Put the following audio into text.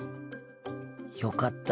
よかった。